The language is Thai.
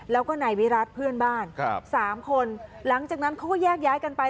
แล้วก็นายวิรัติเพื่อนบ้านครับสามคนหลังจากนั้นเขาก็แยกย้ายกันไป